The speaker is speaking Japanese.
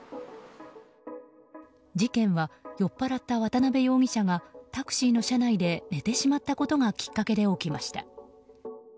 事件は酔っぱらった渡辺容疑者がタクシーの車内で寝てしまったことがきっかけで起きました。